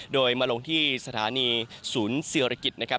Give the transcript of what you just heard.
โดยมาลงที่สถานีศูนย์ศิรกิจนะครับ